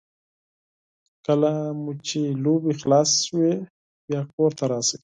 کله مو چې لوبې خلاصې شوې بیا کور ته راشئ.